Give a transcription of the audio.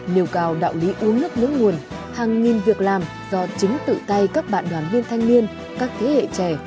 nêu cao đạo lý uống nước nhớ nguồn hàng nghìn việc làm do chính tự tay các bạn đoàn viên thanh niên các thế hệ trẻ